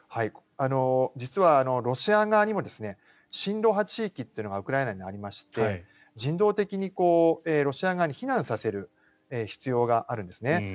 実はロシア側にも親ロ派地域というのがウクライナにありまして人道的にロシア側に避難させる必要があるんですね。